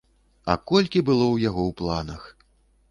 А колькі было ў яго ў планах!